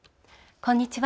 こんにちは。